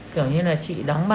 kiểu như là chị đóng bà